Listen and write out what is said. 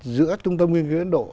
giữa trung tâm nguyên khí ấn độ